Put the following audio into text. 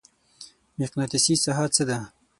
مقناطیسي ساحه څه ده؟